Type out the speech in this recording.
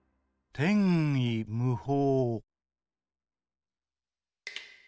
「てんいむほう」。